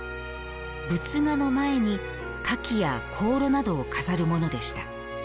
仏画の前に花器や香炉などを飾るものでした。